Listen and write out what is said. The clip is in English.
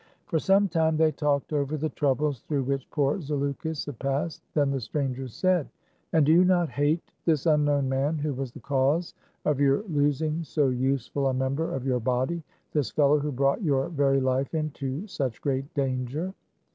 For some time they talked over the troubles through which poor Zaleukos had passed. Then the stranger said :" And do you not hate this unknown man who was the cause of your losing so useful a member of your body — this fellow who brought your very life into such great danger